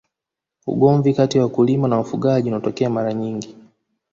ugomvi kati ya wakulima na wafugaji unatokea mara nyingi